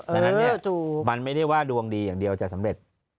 ดังนั้นมันไม่ได้ว่าดวงดีอย่างเดียวจะสำเร็จ